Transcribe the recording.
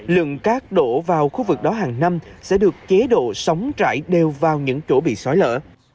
lượng cát đổ vào khu vực đó hàng năm sẽ được chế độ sóng trải đều vào những chỗ bị xói lỡ